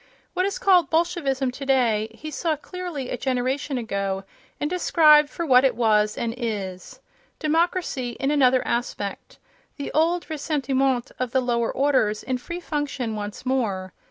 What is called Bolshevism today he saw clearly a generation ago and described for what it was and is—democracy in another aspect, the old ressentiment of the lower orders in free function once more.